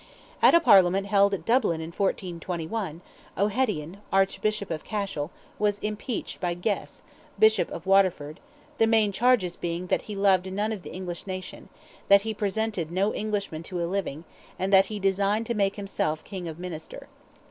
At a Parliament held at Dublin in 1421, O'Hedian, Archbishop of Cashel, was impeached by Gese, Bishop of Waterford, the main charges being that he loved none of the English nation; that he presented no Englishman to a living; and that he designed to make himself King of Munster.